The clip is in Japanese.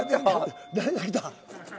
誰か来た。